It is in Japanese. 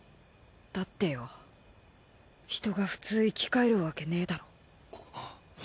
だってよ人が普通生き返るわけねえだろ？あっ。